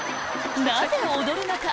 なぜ踊るのか？